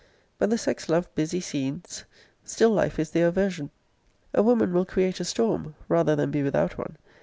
But the sex love busy scenes. Still life is their aversion. A woman will create a storm, rather than be without one.